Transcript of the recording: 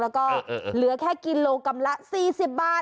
แล้วก็เหลือแค่กิโลกรัมละ๔๐บาท